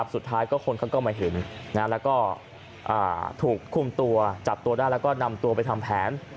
สุดท้ายคนเขาก็มาเห็นแล้วก็ถูกคุมตัวจับตัวได้แล้วก็นำตัวไปทำแผน